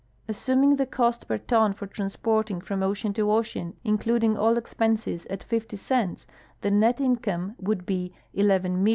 Assuming the cost per ton for transporting from ocean to ocean, including all expenses, at 50 cents, the net income Avould be $11,044,000.